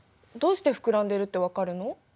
どうして膨らんでいるって分かるの？